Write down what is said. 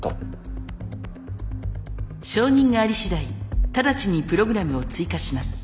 承認があり次第直ちにプログラムを追加します。